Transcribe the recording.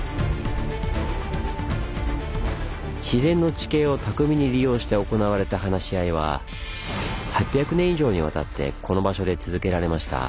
自然の地形を巧みに利用して行われた話し合いは８００年以上にわたってこの場所で続けられました。